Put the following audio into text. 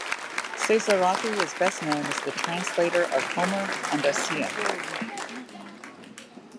Cesarotti is best known as the translator of Homer and Ossian.